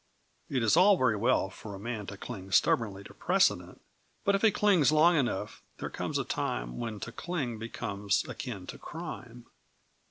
It is all very well for a man to cling stubbornly to precedent, but if he clings long enough, there comes a time when to cling becomes akin to crime.